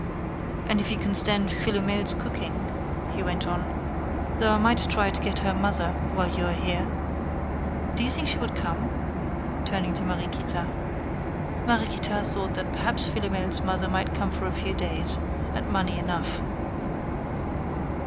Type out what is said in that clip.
"And if you can stand Philomel's cooking," he went on, "though I might try to get her mother while you are here. Do you think she would come?" turning to Mariequita. Mariequita thought that perhaps Philomel's mother might come for a few days, and money enough.